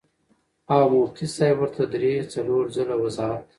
او مفتي صېب ورته درې څلور ځله وضاحت